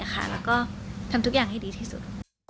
แล้วก็ทำทุกอย่างให้ดีที่สุด